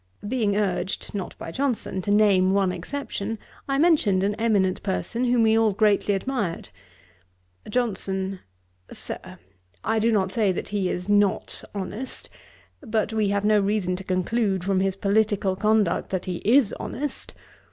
Being urged, (not by Johnson) to name one exception, I mentioned an eminent person, whom we all greatly admired. JOHNSON. 'Sir, I do not say that he is not honest; but we have no reason to conclude from his political conduct that he is honest.